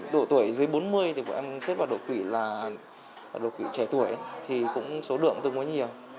đột tuổi dưới bốn mươi xếp vào đột quỵ trẻ tuổi số lượng cũng tương đối nhiều